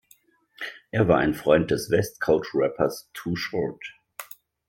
Er war ein Freund des West Coast Rappers Too Short.